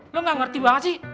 lo gak ngerti banget sih